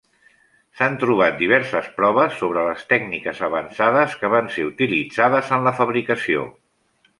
S'han trobat diverses proves sobre les tècniques avançades que van ser utilitzades en la fabricació.